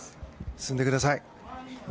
進んでください。